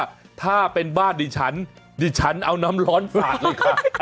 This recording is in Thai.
ถ้าเป็นบ้านดิฉันดิฉันเอาน้ำร้อนสาดเลยค่ะ